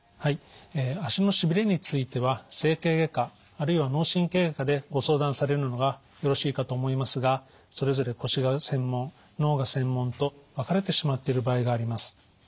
足のしびれについては整形外科あるいは脳神経外科でご相談されるのがよろしいかと思いますがそれぞれ腰が専門脳が専門と分かれてしまっている場合があります。